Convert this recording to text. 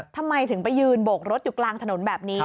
ทำไมถึงไปยืนโบกรถอยู่กลางถนนแบบนี้